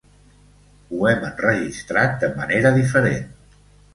Ho hem enregistrat de manera diferent.